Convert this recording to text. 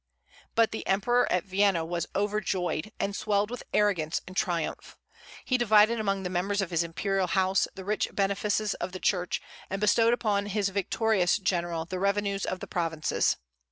But the Emperor at Vienna was overjoyed, and swelled with arrogance and triumph. He divided among the members of his imperial house the rich benefices of the Church, and bestowed upon his victorious general the revenues of provinces.